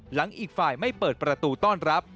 อีกฝ่ายไม่เปิดประตูต้อนรับ